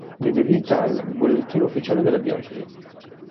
Diede vita al "Bollettino Ufficiale della Diocesi".